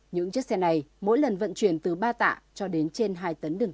những chiếc xe này mỗi lần vận chuyển từ ba tạ cho đến trên hai tầng